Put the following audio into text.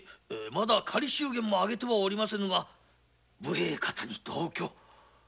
仮祝言も挙げておりませんが武兵衛方に同居。